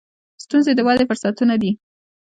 • ستونزې د ودې فرصتونه دي.